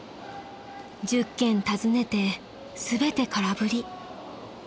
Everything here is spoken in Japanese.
［１０軒訪ねて全て空振り］